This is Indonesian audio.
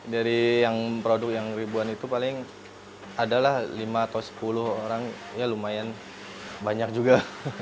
dari yang produk yang ribuan itu paling adalah lima atau sepuluh orang ya lumayan banyak juga